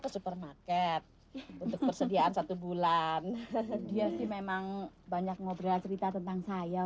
ke supermarket untuk persediaan satu bulan dia sih memang banyak ngobrol cerita tentang saya